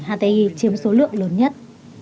hà tây y chiếm số lượng lớn nhất